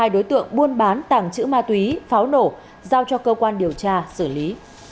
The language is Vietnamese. ba mươi hai đối tượng buôn bán tảng chữ ma túy pháo nổ giao cho cơ quan điều tra xử lý